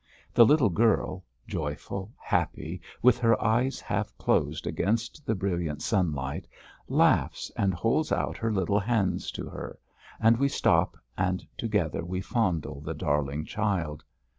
The little girl, joyful, happy, with her eyes half closed against the brilliant sunlight, laughs and holds out her little hands to her, and we stop and together we fondle the darling child.